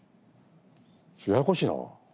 ややこしいな。